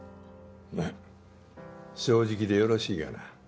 まあ正直でよろしいがな。